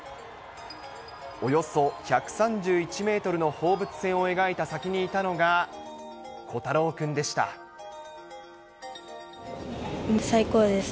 およそ１３１メートルの放物線を描いた先にいたのが、最高です。